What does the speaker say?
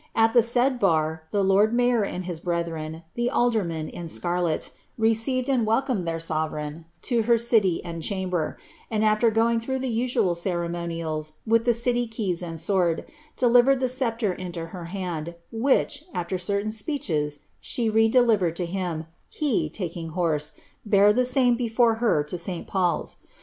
At the said bar. the lord mayor and his bi the aldermen in scarlet, received and welcomed their sovereign city and chamber; and after going through the u^ual cctemonis the city keys and sword, delivered the sceptre into her hand, whit certain speeches she re delivered to him, and he, taking horse, h same before her to St. Paul's.